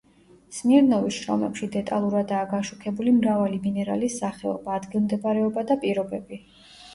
სმირნოვის შრომებში დეტალურადაა გაშუქებული მრავალი მინერალის სახეობა, ადგილმდებარეობა და პირობები.